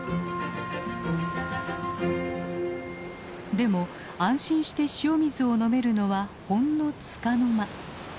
でも安心して塩水を飲めるのはほんのつかの間。